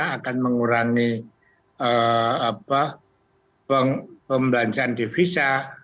akan mengurangi pembelanjaan divisa